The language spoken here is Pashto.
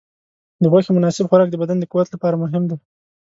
د غوښې مناسب خوراک د بدن د قوت لپاره مهم دی.